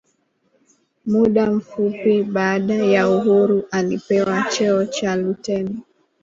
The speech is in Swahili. muda mfupi baada ya uhuru alipewa cheo cha luteni